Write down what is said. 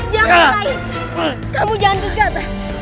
jangan rai kamu jangan dekat